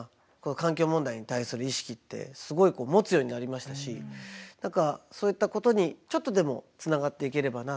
環境問題に対する意識ってすごい持つようになりましたし何かそういったことにちょっとでもつながっていければなとすごく思っています。